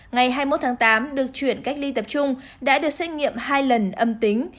ngày hai mươi một tháng tám được chuyển cách ly tập trung đã được xét nghiệm hai lần âm tính